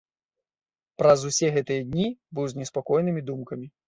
Праз усе гэтыя дні быў з неспакойнымі думкамі.